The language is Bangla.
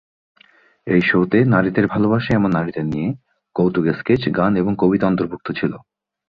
এই শোতে নারীদের ভালবাসে এমন নারীদের নিয়ে কৌতুক স্কেচ, গান এবং কবিতা অন্তর্ভুক্ত ছিল।